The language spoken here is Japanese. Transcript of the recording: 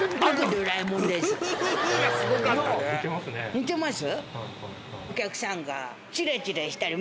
似てます？